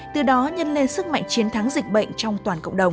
từ đó nhân lên sức mạnh chiến thắng dịch bệnh trong toàn cộng đồng